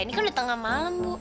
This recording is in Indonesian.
ini kan udah tengah malam bu